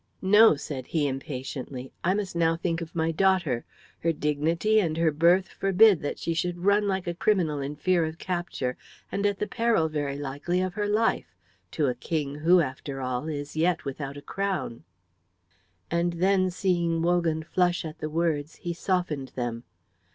"No," said he, impatiently; "I must now think of my daughter. Her dignity and her birth forbid that she should run like a criminal in fear of capture, and at the peril very likely of her life, to a king who, after all, is as yet without a crown." And then seeing Wogan flush at the words, he softened them.